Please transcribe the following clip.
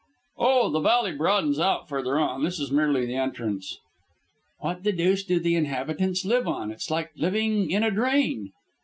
"Oh, the valley broadens out further on. This is merely the entrance." "What the deuce do the inhabitants live on? It's like living in a drain."